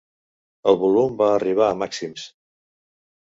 El volum va arribar a màxims.